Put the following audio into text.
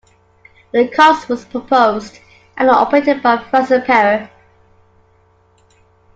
The kiosk was proposed and operated by Francis Parer.